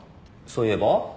そういえば？